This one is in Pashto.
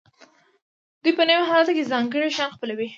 دوی په نوي حالت کې ځانګړي شیان خپلوي.